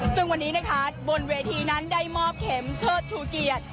ซึ่งวันนี้นะคะบนเวทีนั้นได้มอบเข็มเชิดชูเกียรติ